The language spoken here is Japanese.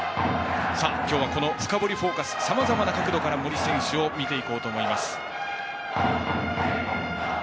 今日は「深掘りＦＯＣＵＳ」でさまざまな角度から森選手を見ていこうと思います。